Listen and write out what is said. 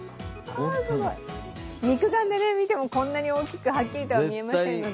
肉眼で見ても、こんなに大きくはっきりとは見られませんので。